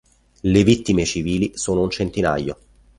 Le vittime civili sono un centinaio.